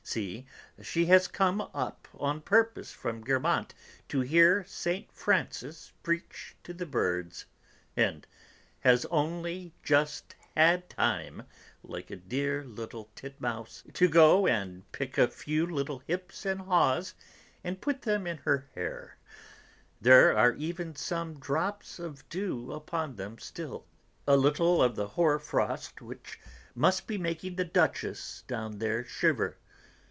See, she has come up on purpose from Guermantes to hear Saint Francis preach to the birds, and has only just had time, like a dear little tit mouse, to go and pick a few little hips and haws and put them in her hair; there are even some drops of dew upon them still, a little of the hoar frost which must be making the Duchess, down there, shiver.